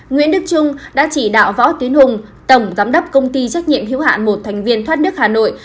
nguyễn đức trung đã chỉ đạo võ tiến hùng tổng giám đốc công ty trách nhiệm hiếu hạn một thành viên thoát nước hà nội